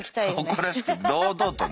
誇らしく堂々とね。